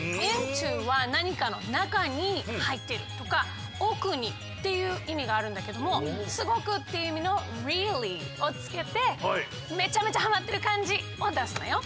「ｉｎｔｏ」は「なにかの中にはいってる」とか「奥に」っていういみがあるんだけども「すごく」っていういみの「ｒｅａｌｌｙ」をつけてめちゃめちゃハマってるかんじをだすのよ。